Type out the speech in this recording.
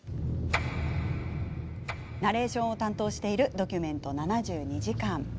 ナレーションを担当している「ドキュメント７２時間」。